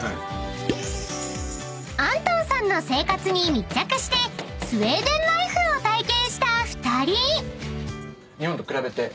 ［アントンさんの生活に密着してスウェーデンライフを体験した２人］